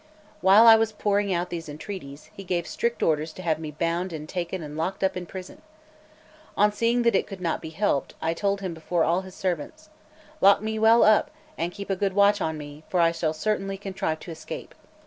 While I was pouring out these entreaties, he gave strict orders to have me bound and taken and locked up in prison. On seeing that it could not be helped, I told him before all his servants: "Lock me well up, and keep good watch on me; for I shall certainly contrive to escape."